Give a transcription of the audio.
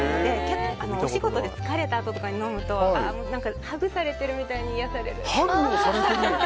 お仕事で疲れたあととかに飲むとハグされてるみたいに癒やされる。